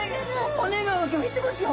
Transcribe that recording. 骨がうギョいてますよ！？